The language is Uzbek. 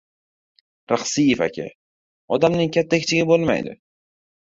— Rixsiyev aka, odamning katta-kichigi bo‘lmaydi.